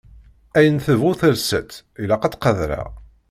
Ayen tebɣu telsa-t ilaq ad tt-qadreɣ.